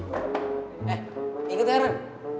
eh ikut gak ren